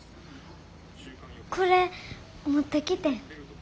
これ持ってきてん。